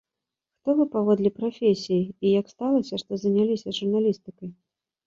Хто вы паводле прафесіі і як сталася, што заняліся журналістыкай?